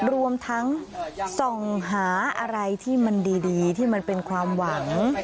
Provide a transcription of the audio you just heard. รวมทั้งส่องหาอะไรที่มันดีที่มันเป็นความหวัง